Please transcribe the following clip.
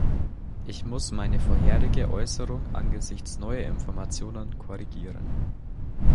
Ich muss meine vorherige Äußerung angesichts neuer Informationen korrigieren.